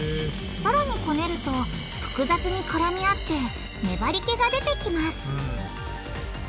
さらにこねると複雑に絡み合ってねばりけが出てきます